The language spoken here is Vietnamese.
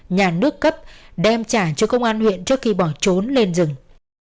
nhà nước cấp đem trả cho công an huyện trước khi bỏ trốn lên rừng